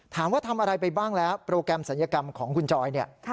ถามว่าทำอะไรไปบ้างแล้วโปรแกรมศัลยกรรมของคุณจอยเนี่ย